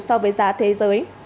so với giá thế giới